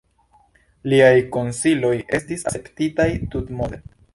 Liaj konsiloj estis akceptitaj tutmonde.